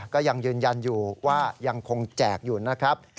ก็ยังยืนยันอยู่ว่ายังคงแจกอยู่นะครับ